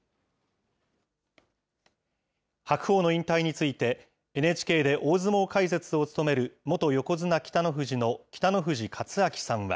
白鵬の引退についてＮＨＫで大相撲解説を務める元横綱・北の富士の北の富士勝昭さんは。